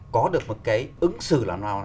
có được một cái ứng xử làm nào